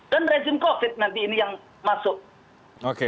kan rezim covid sembilan belas nanti ini yang masuk